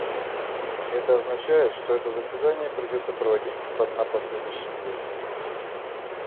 Это означает, что это заседание придется проводить на последующей неделе.